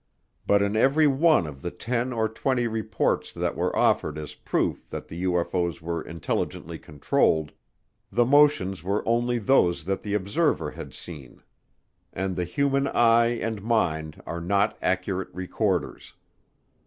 But in every one of the ten or twenty reports that were offered as proof that the UFO's were intelligently controlled, the motions were only those that the observer had seen. And the human eye and mind are not accurate recorders.